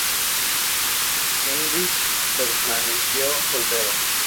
Heinrich permaneció soltero.